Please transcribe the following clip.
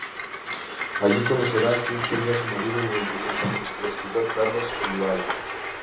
Allí conocerá a quien sería su marido durante diez años, el escritor Carlos Olivari.